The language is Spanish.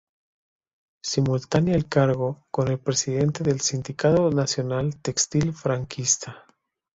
Simultanea el cargo con el de presidente del Sindicato Nacional Textil franquista.